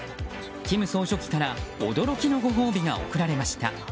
金総書記から驚きのご褒美が贈られました。